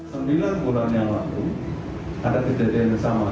sembilan bulan yang lalu ada kejadian yang sama